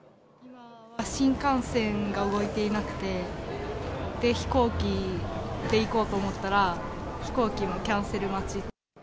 新幹線が動いていなくて、飛行機で行こうと思ったら、飛行機もキャンセル待ち。